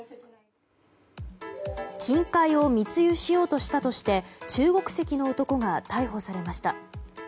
金塊を密輸しようとしたとして中国籍の男が逮捕されました。